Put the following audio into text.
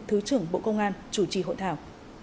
thứ trưởng bộ công an chủ trì hội thảo